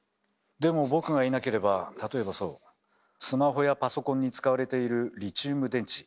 でも僕がいなければ例えばそうスマホやパソコンに使われているリチウム電池。